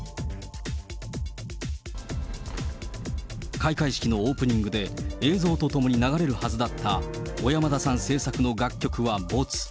開会式のオープニングで、映像とともに流れるはずだった、小山田さん制作の楽曲はぼつ。